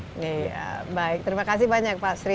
oke baik terima kasih banyak pak sri